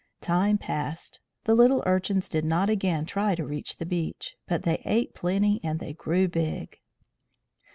Time passed. The little Urchins did not again try to reach the beach, but they ate plenty and they grew big.